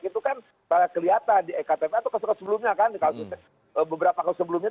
itu kan pada kelihatan di ektp atau di beberapa hal sebelumnya